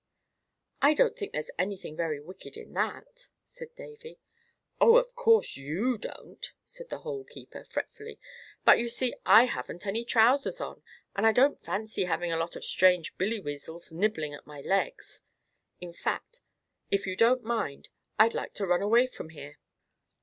"I don't think there's anything very wicked in that," said Davy. "Oh! of course you don't," said the Hole keeper, fretfully. "But you see I haven't any trowsers on, and I don't fancy having a lot of strange Billyweazles nibbling at my legs. In fact, if you don't mind, I'd like to run away from here."